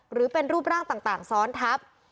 หรือเป็นรูปร่างต่างซ้อนทับ